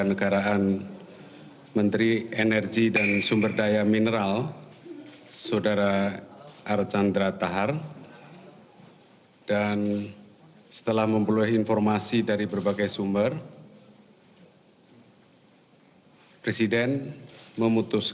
demikian pengumuman kami sampaikan untuk diketahui secara luas